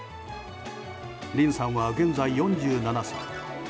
リンさんは現在４７歳。